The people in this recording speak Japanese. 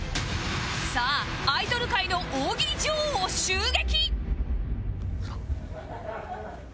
さあアイドル界の大喜利女王を襲撃！